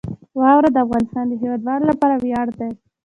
واوره د افغانستان د هیوادوالو لپاره ویاړ دی.